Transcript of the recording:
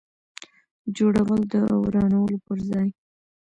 جوړول د ورانولو پر ځای.